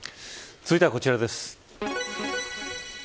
続いてはこちらです。